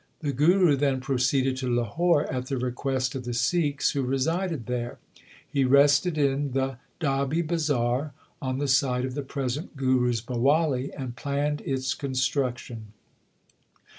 LIFE OF GURU ARJAN 27 The Guru then proceeded to Lahore at the request of the Sikhs who resided there. He rested in the Dabbi Bazar on the site of the present Guru s Bawali , and planned its construction.